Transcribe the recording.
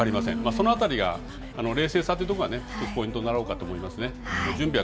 そのあたりが、冷静さというところが、１つポイントになろうかと思いますね。